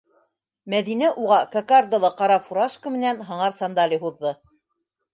Мәҙинә уға кокардалы ҡара фуражка менән һыңар сандали һуҙҙы.